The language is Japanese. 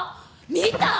見た？